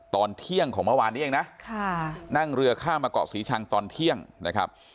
ตอนเที่ยงของเมื่อวานนี้เองนะนั่งเรือข้ามมาเกาะศรีชังตอนเที่ยงนะครับ